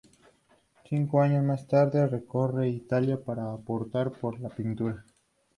Cinco años más tarde recorre Italia para optar por la pintura.